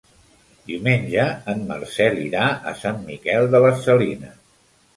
Diumenge en Marcel irà a Sant Miquel de les Salines.